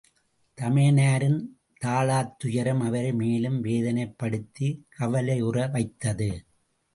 தமையனாரின் தாளாத்துயரம் அவரை மேலும் வேதனைப்படுத்தி கவலையுற வைத்தது.